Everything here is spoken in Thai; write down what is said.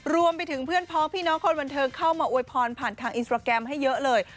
รวมไปถึงเพื่อนพ้องพี่น้องคนบันเทิงเข้ามาอวยพรผ่านทางอินสตราแกรมให้เยอะเลย